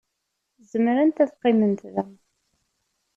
Zemrent ad qqiment da.